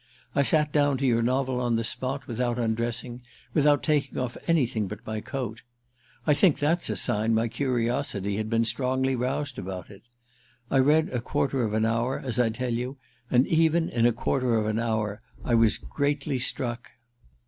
I sat down to your novel on the spot, without undressing, without taking off anything but my coat. I think that's a sign my curiosity had been strongly roused about it. I read a quarter of an hour, as I tell you, and even in a quarter of an hour I was greatly struck."